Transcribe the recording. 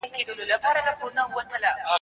نه مي وېره له برېښنا نه له توپانه